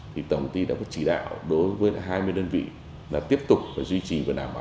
thì tổng công ty đã có chỉ đạo đối với hai mươi đơn vị là tiếp tục và duy trì